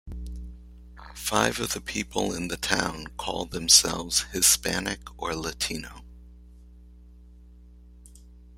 Five of the people in the town call themselves Hispanic or Latino.